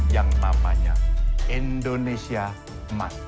yang namanya indonesia emas